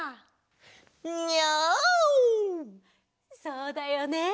そうだよね。